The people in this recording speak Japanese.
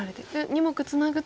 ２目ツナぐと。